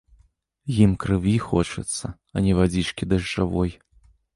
Ім крыві хочацца, а не вадзічкі дажджавой.